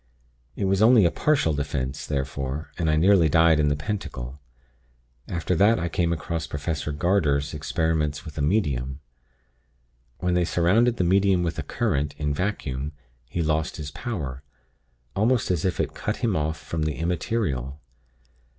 It was only a partial 'defense' therefore, and I nearly died in the pentacle. After that I came across Professor Garder's 'Experiments with a Medium.' When they surrounded the Medium with a current, in vacuum, he lost his power almost as if it cut him off from the Immaterial.